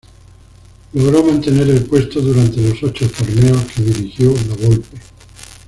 Logró mantener el puesto durante los ocho torneos que dirigió La Volpe.